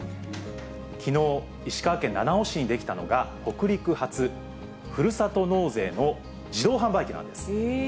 きのう、石川県七尾市に出来たのが、北陸初、ふるさと納税の自動販売機なんです。